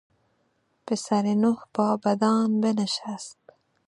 پسر نوح با بدان بنشست.